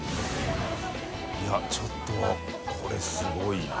いちょっとこれすごいな。